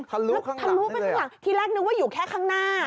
ทรุปข้างดังที่ลากที่แรกอยู่แค่ข้างหน้า